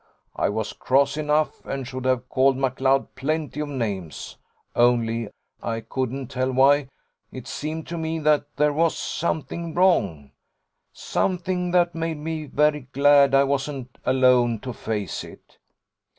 I was cross enough, and should have called McLeod plenty of names: only I couldn't tell why it seemed to me that there was something wrong something that made me very glad I wasn't alone to face it.